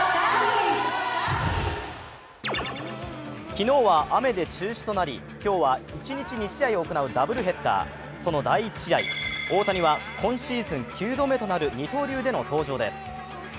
昨日は雨で中止となり、今日は１日２試合行うダブルヘッダーその第１試合、大谷は今シーズン９度目となる二刀流での登場です。